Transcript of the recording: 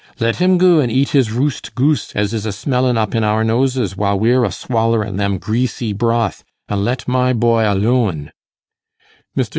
Let him goo an' eat his roost goose as is a smellin' up in our noses while we're a swallering them greasy broth, an' let my boy alooan.' Mr.